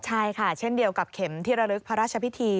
ใช่ค่ะเช่นเดียวกับเข็มที่ระลึกพระราชพิธี